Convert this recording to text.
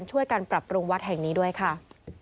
ช่วยกันปรับปรุงวัดแห่งนี้ด้วยค่ะ